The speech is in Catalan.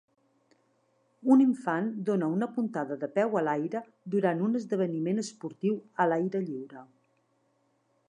Un infant dona una puntada de peu a l'aire durant un esdeveniment esportiu a l'aire lliure.